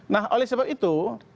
nah oleh sebab itu